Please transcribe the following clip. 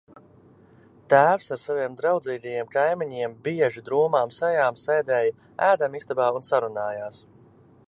Tēvs ar saviem draudzīgajiem kaimiņiem bieži drūmām sejām sēdēja ēdamistabā un sarunājās.